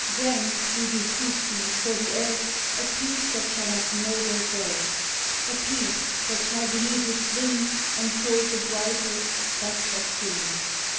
Grant, we beseech Thee, for the Earth A Peace that shall have noble birth! A Peace that shall beneath its wings Enfold the brightest, best of things!